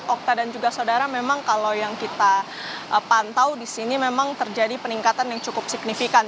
okta dan juga saudara memang kalau yang kita pantau di sini memang terjadi peningkatan yang cukup signifikan